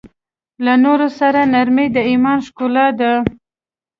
له نورو سره نرمي د ایمان ښکلا ده.